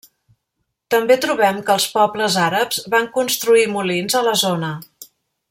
També trobem que els pobles àrabs van construir molins a la zona.